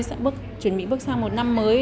sẽ chuẩn bị bước sang một năm mới